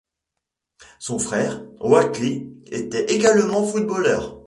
Son frère, Waké, était également footballeur.